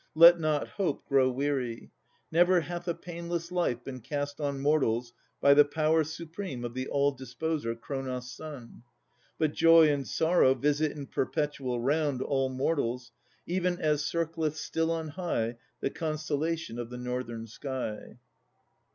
Let not hope Grow weary. Never hath a painless life Been cast on mortals by the power supreme Of the All disposer, Cronos' son. But joy And sorrow visit in perpetual round All mortals, even as circleth still on high The constellation of the Northern sky.